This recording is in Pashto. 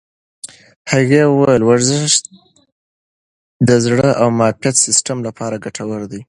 هغې وویل ورزش د زړه او معافیت سیستم لپاره ګټور دی.